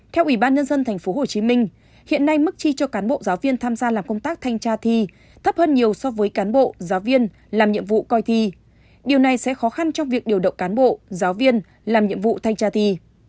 theo ủy ban nhân dân tp hcm hiện nay mức chi cho cán bộ giáo viên tham gia làm công tác thanh tra thi thấp hơn nhiều so với cán bộ giáo viên làm nhiệm vụ coi thi điều này sẽ khó khăn trong việc điều động cán bộ giáo viên làm nhiệm vụ thanh tra thi